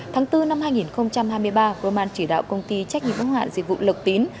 tháng bốn năm hai nghìn hai mươi ba roman chỉ đạo công ty trách nhiệm ứng hoạn dịch vụ lộc tín